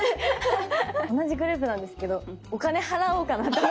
同じグループなんですけどお金払おうかなと思いました。